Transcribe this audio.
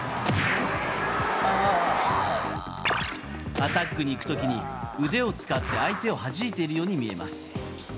アタックに行く時に腕を使って相手をはじいているように見えます。